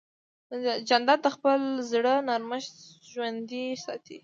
جانداد د خپل زړه نرمښت ژوندی ساتي.